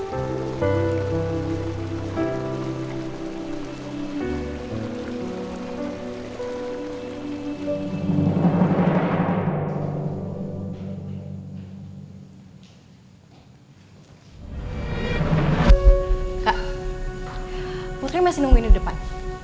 kak pokoknya masih nungguin lo depan